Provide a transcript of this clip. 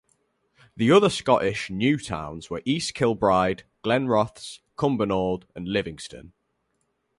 The other Scottish 'new towns' were East Kilbride, Glenrothes, Cumbernauld and Livingston.